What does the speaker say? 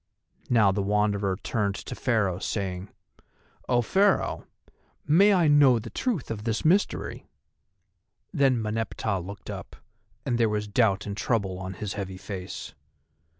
Now the Wanderer turned to Pharaoh saying: "O Pharaoh, may I know the truth of this mystery?" Then Meneptah looked up, and there was doubt and trouble on his heavy face.